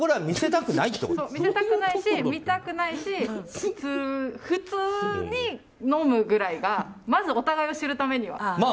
見せたくないし見たくないし普通に飲むぐらいがまず、お互いを知るためには。